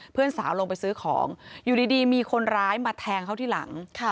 เพื่อนสาวลงไปซื้อของอยู่ดีมีคนร้ายมาแทงเขาที่หลัง